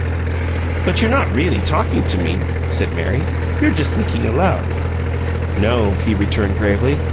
"But you're not really talking to me," said Mary. "You're just thinking aloud." "No," he returned, gravely.